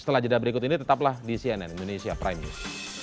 setelah jeda berikut ini tetaplah di cnn indonesia prime news